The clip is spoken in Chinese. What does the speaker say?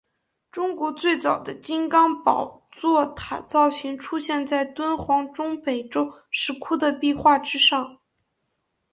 中国最早的金刚宝座塔造型出现在敦煌中北周石窟的壁画之上。